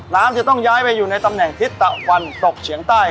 น้ำจะต้องย้ายไปอยู่ในตำแหน่งทิศตะวันตกเฉียงใต้